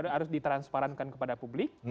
harus diteransparankan kepada publik